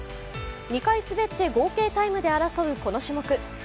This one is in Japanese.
２回滑って合計タイムで争うこの種目。